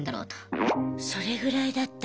それぐらいだった？